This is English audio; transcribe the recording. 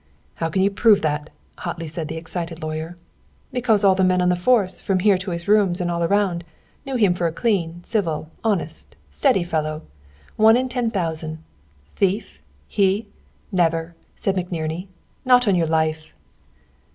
"How can you prove that?" hotly said the excited lawyer. "Because all the men on the force, from here to his rooms, and around town, knew him for a clean, civil, honest, steady fellow one in ten thousand. Thief, he? Never!" said McNerney. "Not on your life!"